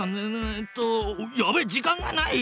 えっとやばい時間がない！